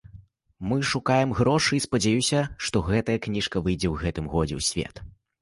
Мы шукаем грошы, і спадзяюся, што гэтая кніжка выйдзе у гэтым годзе у свет.